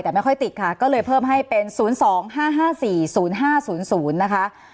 แต่ไม่ค่อยติดค่ะก็เลยเพิ่มให้เป็น๐๒๕๕๔๐๕๐๐นะคะ